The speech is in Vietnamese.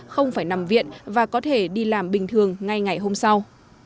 không phải nằm viện và có thể đi làm bình thường ngay ngày hôm sau